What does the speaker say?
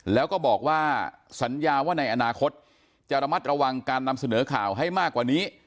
แล้วก็บอกว่าสัญญาว่าในอนาคตจะระมัดระวังการนำเสนอข่าวให้มากกว่านี้